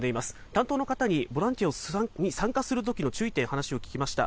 担当の方にボランティアに参加するときの注意点、話を聞きました。